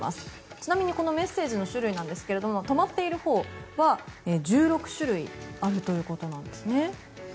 ちなみにこのメッセージの種類ですが止まっているほうは１６種類あるということなんですね。